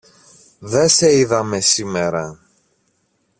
Δε σε είδαμε σήμερα.